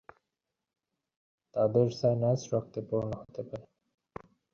তিনি মিশরে ফিরে আসেন ও আইন পেশায় মনোনিবেশ করেন।